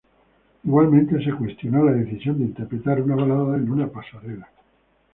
Igualmente, se cuestionó la decisión de interpretar una balada en una pasarela.